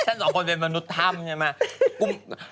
สองคนเป็นมนุษย์ถ้ำใช่ไหม